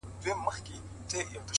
• یو سړی وو خدای په ډېر څه نازولی..